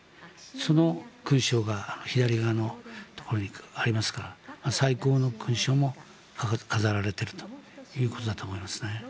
その勲章が左側のところにありますから最高の勲章も飾られているということだと思います。